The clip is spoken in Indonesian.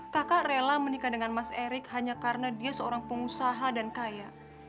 kakak rela menikah dengan mas erick hanya karena dia seorang pengusaha dan kaya